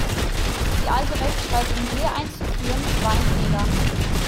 Die alte Rechtschreibung je einzuführen, war ein Fehler.